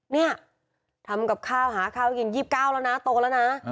เนี่ยทำกับข้าวหาข้าวกิน๒๙แล้วนะโตแล้วนะ